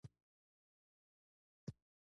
دلته له کوره بهر ډېری کارونه مېرمنې پخپله کوي.